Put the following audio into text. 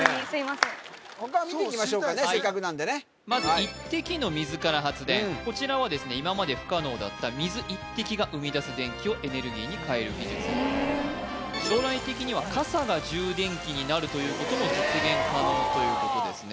せっかくなんでまず一滴の水から発電こちらは今まで不可能だった水一滴が生み出す電気をエネルギーに変える技術将来的には傘が充電器になるということも実現可能ということですね